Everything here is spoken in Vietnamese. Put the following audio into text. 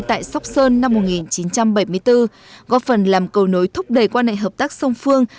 tại sóc sơn năm một nghìn chín trăm bảy mươi bốn góp phần làm cầu nối thúc đẩy quan hệ hợp tác song phương